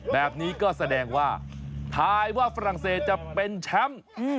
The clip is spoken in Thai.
แบบนี้ก็แสดงว่าทายว่าฝรั่งเศสจะเป็นแชมป์